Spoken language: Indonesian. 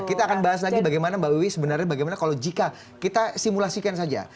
kita akan bahas lagi bagaimana mbak wiwi sebenarnya bagaimana kalau jika kita simulasikan saja